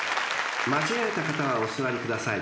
［間違えた方はお座りください］